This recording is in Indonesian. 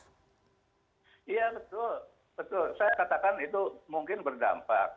iya betul betul saya katakan itu mungkin berdampak